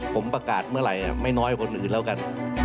ผมประกาศเมื่อใรต่อกันไม่น้อยเหมือนคนอื่นแล้วกัน